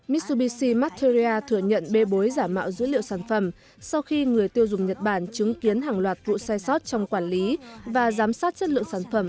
mitsubishi mattheria thừa nhận bê bối giả mạo dữ liệu sản phẩm sau khi người tiêu dùng nhật bản chứng kiến hàng loạt vụ sai sót trong quản lý và giám sát chất lượng sản phẩm